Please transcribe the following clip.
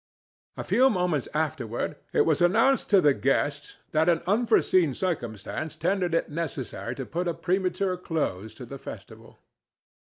A very few moments afterward it was announced to the guests that an unforeseen circumstance rendered it necessary to put a premature close to the festival.